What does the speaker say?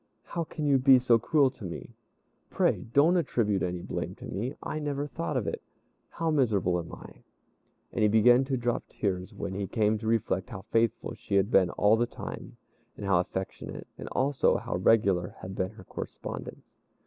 "How can you be so cruel to me? Pray don't attribute any blame to me; I never thought of it. How miserable am I!" And he began to drop tears when he came to reflect how faithful she had been all the time, and how affectionate, and also how regular had been her correspondence.